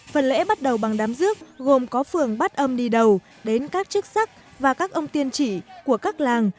phần lễ bắt đầu bằng đám dước gồm có phường bát âm đi đầu đến các chức sắc và các ông tiên chỉ của các làng